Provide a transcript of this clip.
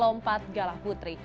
lompat galah putri